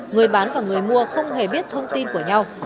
người bán và người mua không hề biết thông tin của nhau